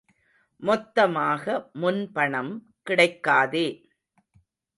மொத்தமாக முன் பணம் கிடைக்காதே.